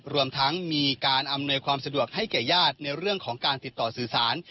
รวมทั้งมีการอำนวยความสะดวกให้แก่ญาติในเรื่องของการติดต่อสื่อสาร